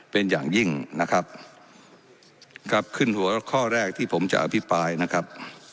เป็นอย่างยิ่งนะครับครับขึ้นหัวข้อแรกที่ผมจะอภิปรายนะครับ